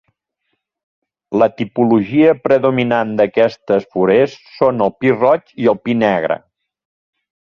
La tipologia predominant d'aquestes forests són el pi roig i el pi negre.